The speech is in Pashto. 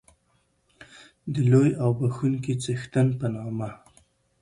د لوی او بخښونکی څښتن په نامه